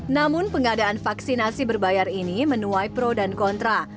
namun pengadaan vaksinasi berbayar ini menuai pro dan kontra